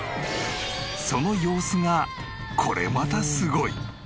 その様子がこれまたすごい！